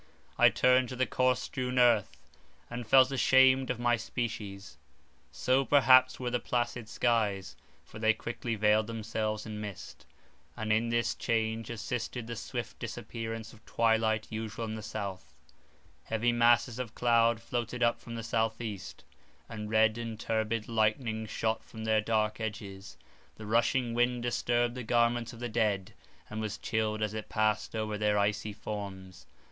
I turned to the corse strewn earth; and felt ashamed of my species. So perhaps were the placid skies; for they quickly veiled themselves in mist, and in this change assisted the swift disappearance of twilight usual in the south; heavy masses of cloud floated up from the south east, and red and turbid lightning shot from their dark edges; the rushing wind disturbed the garments of the dead, and was chilled as it passed over their icy forms.